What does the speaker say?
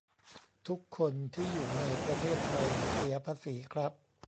ทุกคนที่อยู่ในประเทศไทยเสียภาษีครับ